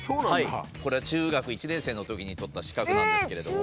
これは中学１年生のときに取った資格なんですけれども。